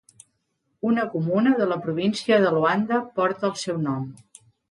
Una comuna de la província de Luanda porta el seu nom.